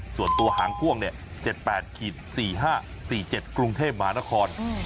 ส่วนตัวหางพ่วง๗๘๔๕๔๗กรุงเทพมหานคร